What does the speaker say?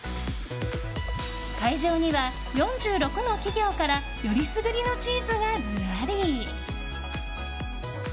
会場には４６の企業から選りすぐりのチーズがずらり。